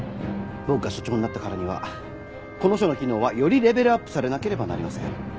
僕が署長になったからにはこの署の機能はよりレベルアップされなければなりません。